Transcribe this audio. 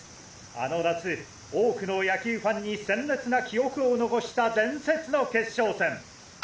あの夏多くの野球ファンに鮮烈な記憶を残した伝説の決勝戦！